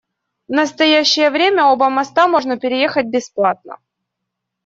В настоящее время оба моста можно переехать бесплатно.